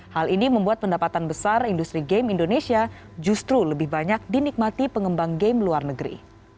hal ini membuat pendapatan besar industri game indonesia justru lebih banyak dinikmati pengembang game luar negeri